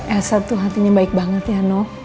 elsa tuh hatinya baik banget ya nob